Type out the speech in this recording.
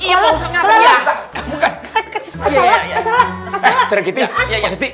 aduh tinggi banget ya